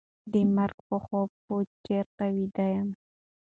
د مرګ په خوب به چېرته ویده یم